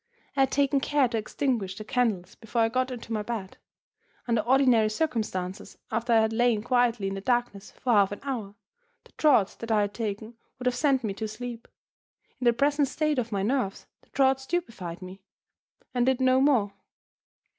I had taken care to extinguish the candles before I got into my bed. Under ordinary circumstances, after I had lain quietly in the darkness for half an hour, the draught that I had taken would have sent me to sleep. In the present state of my nerves the draught stupefied me, and did no more.